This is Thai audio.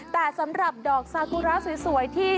แต่สำหรับดอกซากุระสวยที่